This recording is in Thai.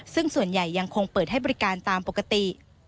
ซึ่งส่วนใหญ่ยังคงเปิดให้บริการตามปกติ